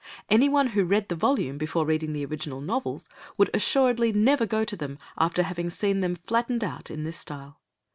Anyone who read the volume before reading the original novels would assuredly never go to them after having seen them flattened out in this style.